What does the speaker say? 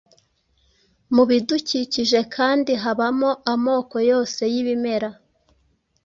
Mu bidukikije kandi habamo amoko yose y’ibimera,